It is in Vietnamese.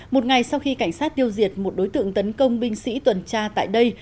một ngày sau khi cảnh sát tiêu diệt một đối tượng tấn công binh sĩ tuần tra tại đây